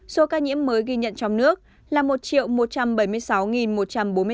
số ca nhiễm mới ghi nhận trong nước là một một trăm bảy mươi sáu một trăm bốn mươi tám ca